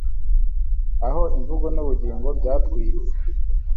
Aho imvugo n'ubugingo byatwitse